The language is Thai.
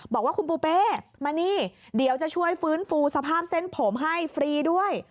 บอกว่าคุณปูเป้มานี่เดี๋ยวจะช่วยฟื้นฟูสภาพเส้นผมให้ฟรีด้วย